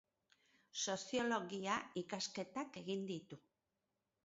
Soziologia ikasketak egin ditu.